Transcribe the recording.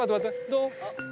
どう？